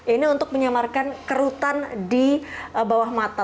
ini untuk menyamarkan kerutan di bawah mata